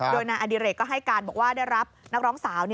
โดยนายอดิเรกก็ให้การบอกว่าได้รับนักร้องสาว